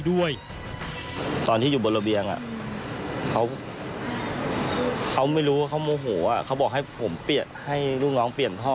ว่าเขาบอกให้ผมเปลี่ยนให้ลูกน้องเปลี่ยนท่อ